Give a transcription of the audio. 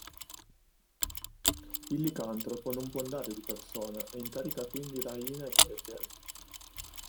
Il licantropo non può andare di persona e incarica quindi Raina e Gabriel.